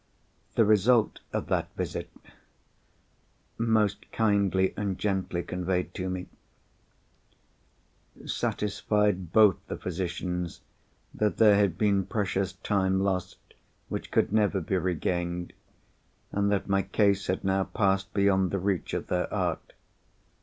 The result of that visit—most kindly and gently conveyed to me—satisfied both the physicians that there had been precious time lost, which could never be regained, and that my case had now passed beyond the reach of their art.